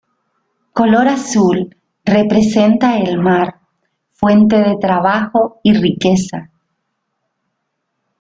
Color azul: Representa el mar, fuente de trabajo y riqueza.